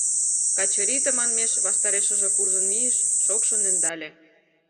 Качырий тыманмеш ваштарешыже куржын мийыш, шокшын ӧндале.